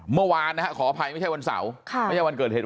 เมื่อวานนะฮะขออภัยไม่ใช่วันเสาร์ไม่ใช่วันเกิดเหตุ